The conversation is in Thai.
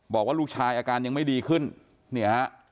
บอกว่าลูกชายอาการยังไม่ดีขึ้นเนี่ยฮะ